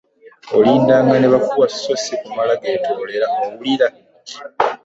Olindanga ne bakuwa so si kumala geetoolera owulira?